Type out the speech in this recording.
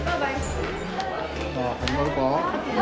ああ始まるか。